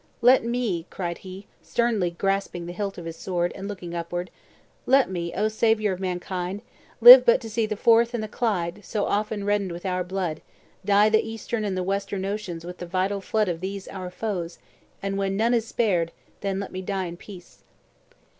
Let me," cried he, sternly grasping the hilt of his sword, and looking upward, "let me, oh, Saviour of mankind, live but to see the Forth and the Clyde, so often reddened with our blood, dye the eastern and the western oceans with the vital flood of these our foes; and when none is spared, then let me die in peace."